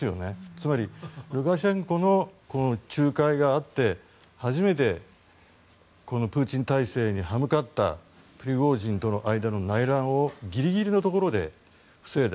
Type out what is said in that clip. つまりルカシェンコの仲介があって初めてプーチン体制に歯向かったプリゴジンとの間の内乱をギリギリのところで防いだ。